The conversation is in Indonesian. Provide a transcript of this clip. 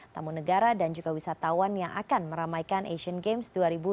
tamu negara dan juga wisatawan yang akan meramaikan asian games dua ribu delapan belas